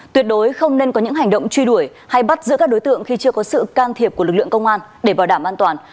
tuyệt đối không nên có những hành động truy đuổi hay bắt giữa các đối tượng khi chưa có sự can thiệp của lực lượng công an để bảo đảm an toàn